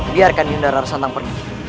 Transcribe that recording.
biarkan yundarar santan pergi